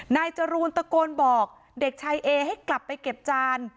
จรูนตะโกนบอกเด็กชายเอให้กลับไปเก็บจาน